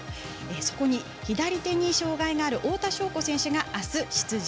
そこに左手に障がいがある太田渉子選手が、あす出場。